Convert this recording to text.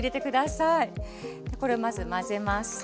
これまず混ぜます。